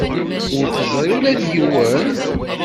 Ur teẓri ula d yiwen?